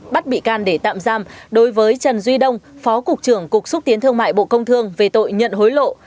bắt bị can để tạm giam đối với trần duy đông phó cục trưởng cục xúc tiến thương mại bộ công thương về tội nhận hối lộ